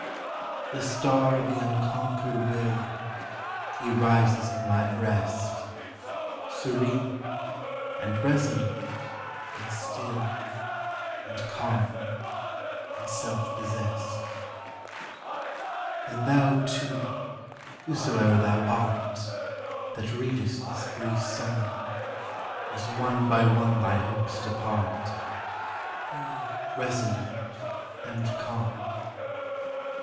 The star of the unconquered will, He rises in my breast, Serene, and resolute, and still, And calm, and self possessed. And thou, too, whosoe'er thou art, That readest this brief psalm, As one by one thy hopes depart, Be resolute and calm.